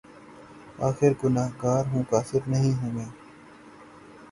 آخر گناہگار ہوں‘ کافر نہیں ہوں میں